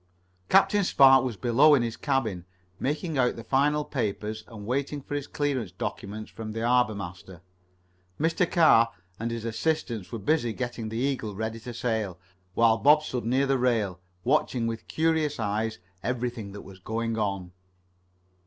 Captain Spark was below in his cabin, making out the final papers and waiting for his clearance documents from the harbor master. Mr. Carr and his assistants were busy getting the Eagle ready to sail, while Bob stood near the rail, watching with curious eyes everything that was going on.